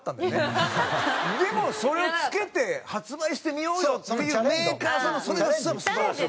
でもそれを付けて発売してみようよっていうメーカーさんのそれすらも素晴らしい。